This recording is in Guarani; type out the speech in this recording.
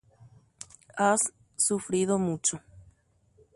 Heta rehasa'asýkuri.